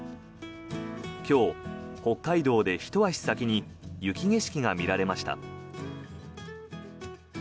今日、北海道で、ひと足先に雪景色が見られました。